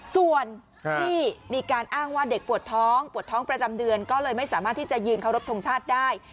ส่วนที่มีการอ้างว่าเด็กปวดท้องปวดท้องประจำเดือนก็เลยไม่สามารถที่จะยืนเคารพทงชาติได้